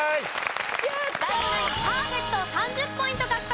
ＤＡＩＧＯナインパーフェクト３０ポイント獲得です。